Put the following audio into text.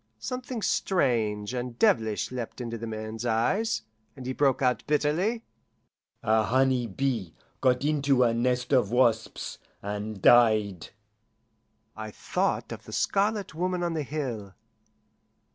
Something strange and devilish leapt into the man's eyes, and he broke out bitterly, "A honey bee got into a nest of wasps and died." I thought of the Scarlet Woman on the hill.